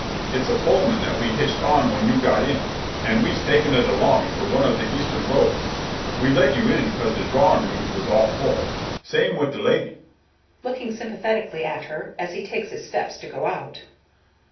It's a Pullman that we hitched on when you got in, and we's taking it along for one of de Eastern roads. We let you in 'cause de Drawing rooms was all full. Same with de lady,"—looking sympathetically at her, as he takes his steps to go out.